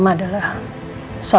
makanya mau selesai